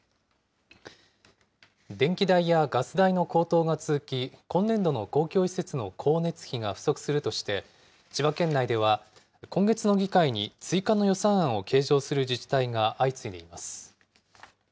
電気代やガス代の高騰が続き、今年度の公共施設の光熱費が不足するとして、千葉県内では今月の議会に追加の予算案を計上する自治体が相次いでいます。